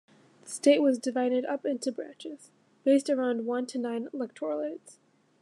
The state was divided up into branches, based around one to nine electorates.